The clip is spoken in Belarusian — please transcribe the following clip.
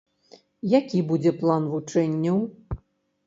Які будзе план вучэнняў?